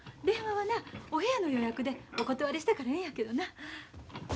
電話はなお部屋の予約でお断りしたからええんやけどな。